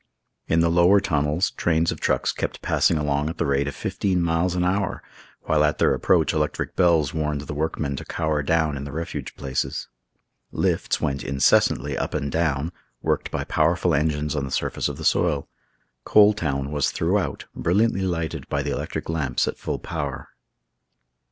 In the lower tunnels, trains of trucks kept passing along at the rate of fifteen miles an hour, while at their approach electric bells warned the workmen to cower down in the refuge places. Lifts went incessantly up and down, worked by powerful engines on the surface of the soil. Coal Town was throughout brilliantly lighted by the electric lamps at full power.